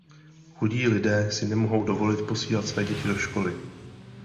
Chudí lidé si nemohou dovolit posílat své děti do školy.